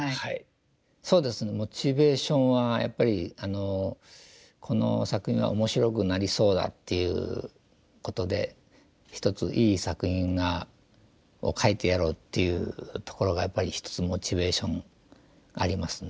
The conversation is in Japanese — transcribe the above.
そうですねモチベーションはやっぱりこの作品は面白くなりそうだっていうことでひとついい作品を描いてやろうっていうところがやっぱり一つモチベーションありますね。